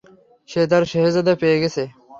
সে তার শেহজাদা পেয়ে গেছে।